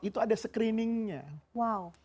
itu ada screening nya wow